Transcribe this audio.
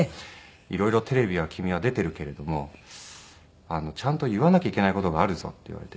「色々テレビは君は出ているけれどもちゃんと言わなきゃいけない事があるぞ」って言われていて。